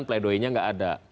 play dohnya gak ada